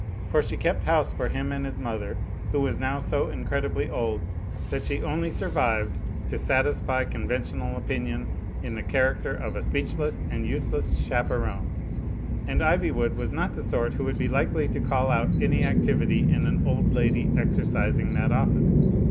For she kept house for him and his mother, who was now so incredibly old that she only survived to satisfy conventional opinion in the character of a speechless and useless chaperon. And Ivywood was not the sort who would be likely to call out any activity in an old lady exercising that office.